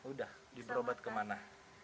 udah diberobat kemana